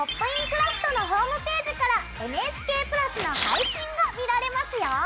クラフト」のホームページからＮＨＫプラスの配信が見られますよ！